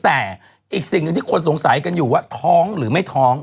แต่อีกสิ่งหนึ่งที่คนสงสัยกันอยู่ว่าท้องหรือไม่ท้อง